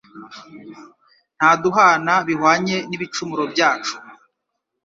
ntaduhana bihwanye n’ibicumuro byacu